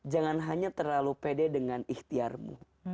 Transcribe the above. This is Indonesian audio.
jangan hanya terlalu pede dengan ikhtiarmu